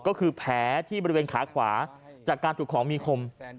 ก็คือแผลที่บริเวณขาขวาจากการถูกของมีคม